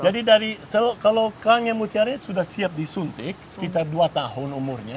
jadi kalau kerang yang mutiara sudah siap disuntik sekitar dua tahun umurnya